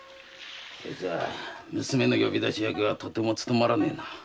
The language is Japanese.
これじゃ娘の呼び出し役はとてもつとまらねえな。